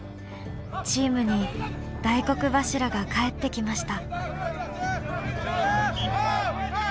チームに大黒柱が帰ってきました。